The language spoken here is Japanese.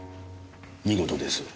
見事です。